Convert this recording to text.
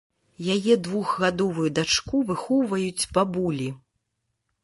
Яе двухгадовую дачку выхоўваюць бабулі.